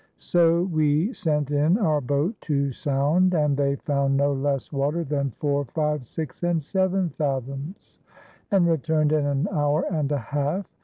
So wee sent in our boate to sound and they found no lesse water than foure, five, six, and seven fathoms and returned in an hour and a half.